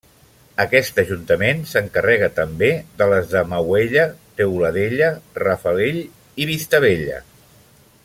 Aquest ajuntament s'encarrega també de les de Mauella, Teuladella, Rafalell i Vistabella.